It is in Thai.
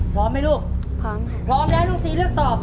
พร้อมไหมลูกพร้อมค่ะพร้อมแล้วน้องซีเลือกตอบ